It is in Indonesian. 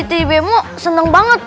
kata di datang haaran